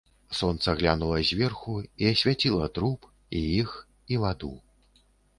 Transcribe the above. Сонца глянула зверху і асвяціла труп, і іх, і ваду.